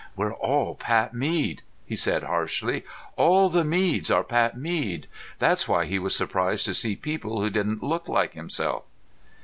"We're all Pat Mead," he said harshly. "All the Meads are Pat Mead. That's why he was surprised to see people who didn't look like himself."